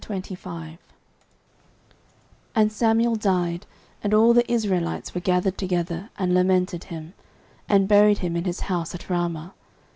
09:025:001 And Samuel died; and all the Israelites were gathered together, and lamented him, and buried him in his house at Ramah.